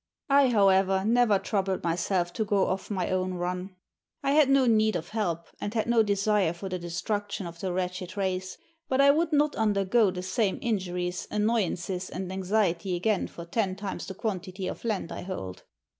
I, however, never troubled myself to go off my own run. I had no need of help, and had no desire for the destruction of the wretched race, but I would not undergo the same injuries, annoyances, and anxiety again for ten times the quantity of land I hold.